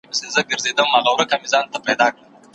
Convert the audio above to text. هره سجده مي پر تندي ده ستا په نوم